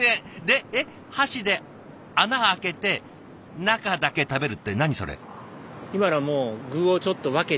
で箸で穴開けて中だけ食べるって何それ？